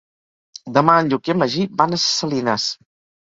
Demà en Lluc i en Magí van a Ses Salines.